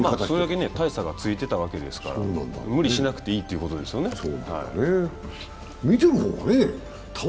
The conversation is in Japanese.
それだけ大差がついてたわけですから、無理しなくていいということですよね。